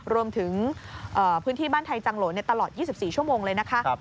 รวมถึงพื้นที่บ้านไทยจังโหลตลอด๒๔ชั่วโมงเลยนะคะ